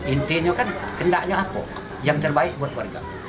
intinya kan kendaknya apa yang terbaik buat warga